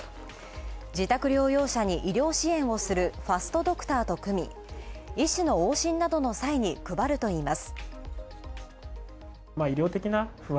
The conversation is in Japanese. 自宅療養者に医療支援をするファーストドクターと組み医師の往診などの際に配るといいます。